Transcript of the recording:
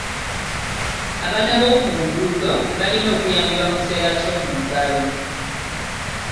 Abaana b'okunguudo balina okuyambibwa mu kiseera ky'omuggalo.